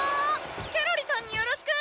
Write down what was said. ケロリさんによろしく！